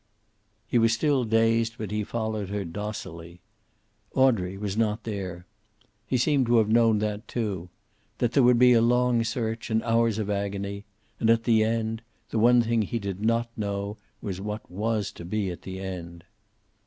He was still dazed, but he followed her docilely. Audrey was not there. He seemed to have known that, too. That there would be a long search, and hours of agony, and at the end the one thing he did not know was what was to be at the end.